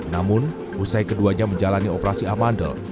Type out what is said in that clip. namun usai keduanya menjalani operasi amandel